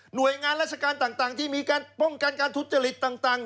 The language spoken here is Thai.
โดยงานราชการต่างที่มีการป้องกันการทุจริตต่าง